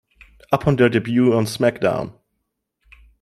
Upon their debut on SmackDown!